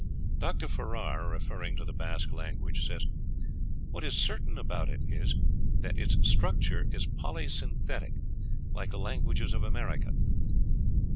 Dr. Farrar, referring to the Basque language, says: "What is certain about it is, that its structure is polysynthetic, like the languages of America.